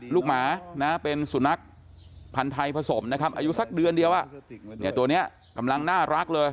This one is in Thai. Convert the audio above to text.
หมานะเป็นสุนัขพันธ์ไทยผสมนะครับอายุสักเดือนเดียวตัวนี้กำลังน่ารักเลย